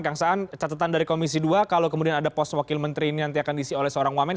kang saan catetan dari komisi dua kalau kemudian ada poswakil menteri ini nanti akan diisi oleh seorang woman